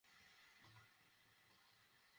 আমি তোমাকে ফাঁসিতে ঝুলিয়ে ছাড়ব!